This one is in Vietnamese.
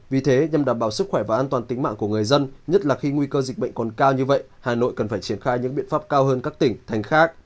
vì thế nhằm đảm bảo sức khỏe và an toàn tính mạng của người dân nhất là khi nguy cơ dịch bệnh còn cao như vậy hà nội cần phải triển khai những biện pháp cao hơn các tỉnh thành khác